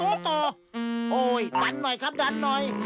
โอ้โหดันหน่อยครับดันหน่อย